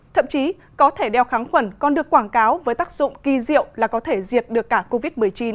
thậm chí có thể đeo kháng khuẩn còn được quảng cáo với tác dụng kỳ diệu là có thể diệt được cả covid một mươi chín